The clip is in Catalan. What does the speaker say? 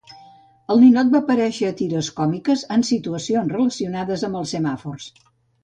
El ninot va aparèixer a tires còmiques en situacions relacionades amb els semàfors.